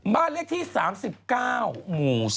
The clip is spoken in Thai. บ้านเลขที่๓๙หมู่๒